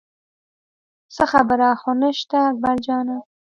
څه خبره خو نه شته اکبر جانه.